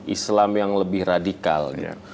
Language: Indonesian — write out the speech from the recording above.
islam yang lebih radikal